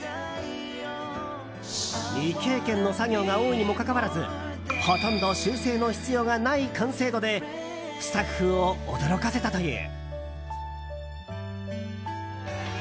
未経験の作業が多いにもかかわらずほとんど修正の必要がない完成度でスタッフを驚かせたという。